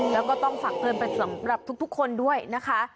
แล้วก็ต้องฝากเตือนไปสำหรับทุกคนด้วยนะคะ